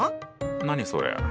何それ？